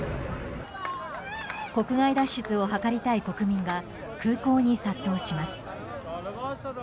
国外脱出を図りたい国民が空港に殺到します。